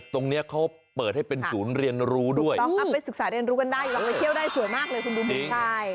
ตรงนี้เขาเปิดให้เป็นศูนย์เรียนรู้ด้วยลองเอาไปศึกษาเรียนรู้กันได้ลองไปเที่ยวได้สวยมากเลยคุณดูมุมใช่